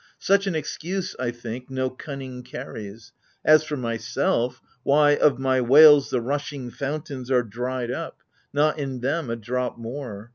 Such an excuse, I think, no cunning carries ! As for myself — why, of my wails the rushing Fountains are dried up : not in them a drop more